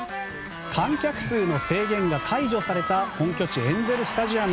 観客数の制限が解除された本拠地エンゼル・スタジアム。